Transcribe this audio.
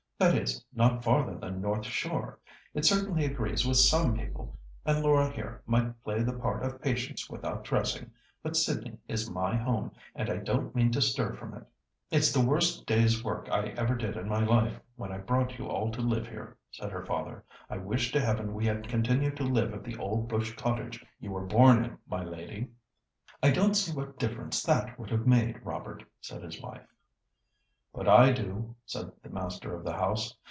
"That is, not farther than North Shore. It certainly agrees with some people, and Laura here might play the part of Patience without dressing. But Sydney is my home, and I don't mean to stir from it." "It's the worst day's work I ever did in my life when I brought you all to live here," said her father. "I wish to heaven we had continued to live at the old bush cottage you were born in, my lady." "I don't see what difference that would have made, Robert," said his wife. "But I do," said the master of the house.